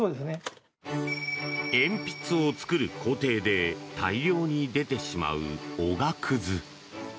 鉛筆を作る工程で大量に出てしまうおがくず。